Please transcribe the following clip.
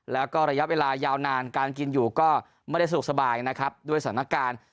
แล้วก็ระยะเวลายาวนานการกินอยู่ก็ไม่ได้สะดวกสบายนะครับด้วยสถานการณ์